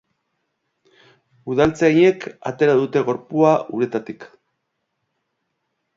Udaltzainek atera dute gorpua uretatik.